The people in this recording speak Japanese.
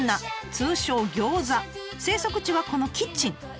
通称「餃子」。生息地はこのキッチン。